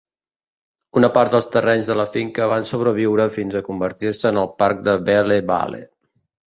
Una part dels terrenys de la finca van sobreviure fins a convertir-se en el parc de Belle Vale.